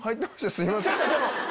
すいません。